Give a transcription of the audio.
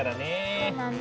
そうなんだ。